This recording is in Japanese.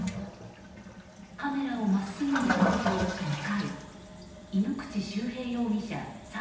カメラを真っすぐ見ること２回井口修平容疑者、３８歳。